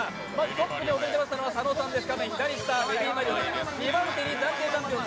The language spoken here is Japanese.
トップに躍り出ましたのが佐野さんです。